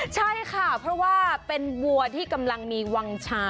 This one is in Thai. ใช่ค่ะเพราะว่าเป็นวัวที่กำลังมีวังชา